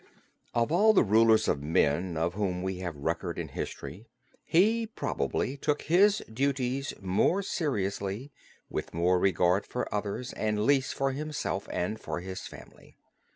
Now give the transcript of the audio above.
Of all the rulers of men of whom we have record in history he probably took his duties most seriously, with most regard for others, and least for himself and for his family.